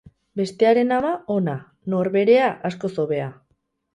Besteren ama, ona; norberea, askoz hobea.